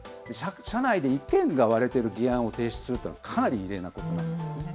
社内で意見が割れている議案を提出するというのは、かなり異例なことなんですね。